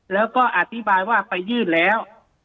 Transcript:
แล้วก็อธิบายว่าไปยื่นแล้ว